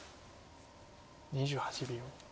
２８秒。